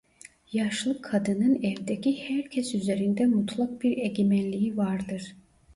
Yaşlı kadının evdeki herkes üzerinde mutlak bir egemenliği vardır.